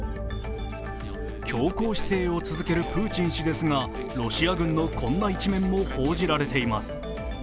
強硬姿勢を続けるプーチン氏ですが、ロシア軍のこんな一面も報じられています。